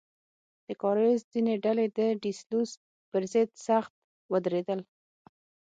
د کارایوس ځینې ډلې د ډي سلوس پر ضد سخت ودرېدل.